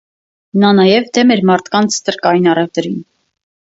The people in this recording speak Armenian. Նա նաև դեմ էր մարդկանց ստրկային առևտրին։